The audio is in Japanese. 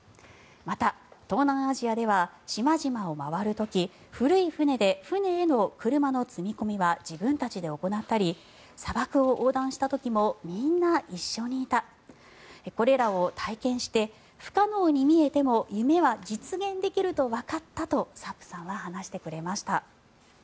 また、東南アジアでは島々を回る時古い船で、船への車の積み込みは自分たちで行ったり砂漠を横断した時もみんな一緒にいたこれらを体験して不可能に見えても夢は実現できるとわかったとサップさんは話してくれました。